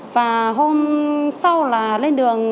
và hôm sau là lên đường